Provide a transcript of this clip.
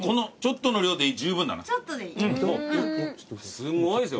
すごいですよ。